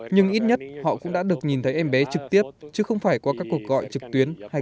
nhưng ít nhất họ cũng đã được nhìn thấy em bé trực tiếp chứ không phải qua các cuộc gọi trực tuyến hay